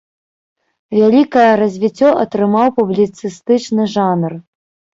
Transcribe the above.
Вялікае развіццё атрымаў публіцыстычны жанр.